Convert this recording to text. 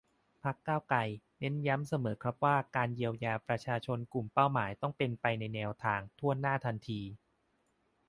พรรค ก้าวไกล เน้นย้ำเสมอครับว่า การเยียวยาประชาชนกลุ่มเป้าหมาย ต้องเป็นไปในแนวทาง ถ้วนหน้า ทันที